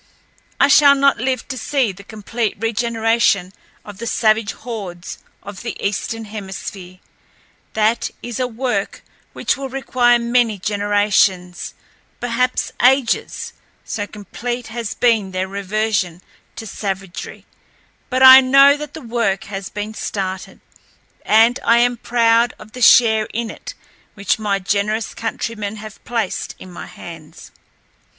I shall not live to see the complete regeneration of the savage hordes of the Eastern Hemisphere—that is a work which will require many generations, perhaps ages, so complete has been their reversion to savagery; but I know that the work has been started, and I am proud of the share in it which my generous countrymen have placed in my hands.